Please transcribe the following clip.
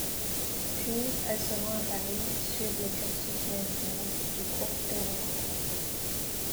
Puis elle se rend à Paris, suivre le Cursus Meisner du cours Peyran-Lacroix.